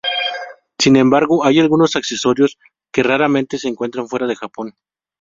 Sin embargo, hay algunos accesorios que raramente se encuentran fuera de Japón.